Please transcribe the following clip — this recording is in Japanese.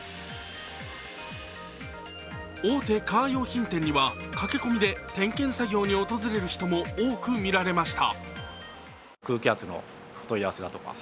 大手カー用品店には、駆け込みで点検作業に訪れる人も多く見られました。